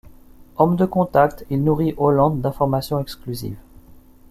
Homme de contacts, il nourrit Hollande d'informations exclusives.